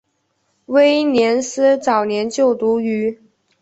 威廉斯早年就读于。